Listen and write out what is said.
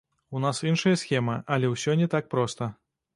У нас іншая схема, але ўсё не так проста.